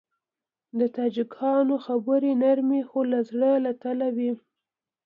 د تاجکانو خبرې نرمې خو د زړه له تله وي.